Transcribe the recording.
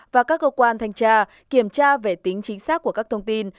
và các cơ quan thanh tra kiểm tra về tính chính xác của các thông tin